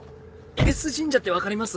恵比寿神社って分かります？